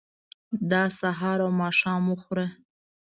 دا سهار او ماښام وخوره.